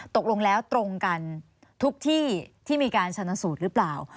ตกลงแล้วตรงกันทุกที่ที่มีการชนะสูตรหรือเปล่า